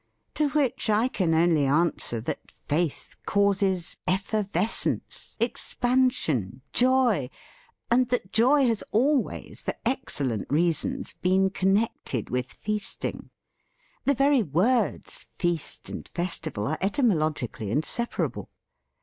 To which I can only answer that faith causes effervescence, expansion, joy, and that joy has al ways, for excellent reasons, been con nected with feasting. The very words 'feast' and 'festival' are etymologically inseparable.